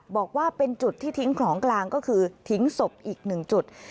บอกว่าเป็นจุดที่ทิ้งของกลางก็คือทิ้งศพอีกหนึ่งจุด